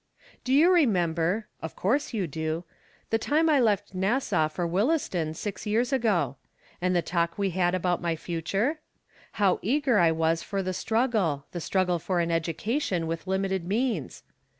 Do you remember (of course you do) the time I left Nassau for Williston, six years ago ? And the talk we had abdut my future ? How eager I 48 From Different Standpoints. was for the struggle — the struggle for an educar tion with limited means?